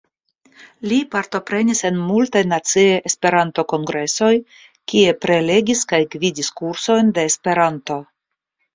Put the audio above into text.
Li partoprenis en multaj naciaj Esperanto-kongresoj kie prelegis kaj gvidis kursojn de Esperanto.